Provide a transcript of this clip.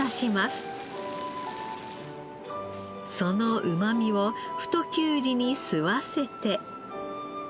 そのうまみを太きゅうりに吸わせて。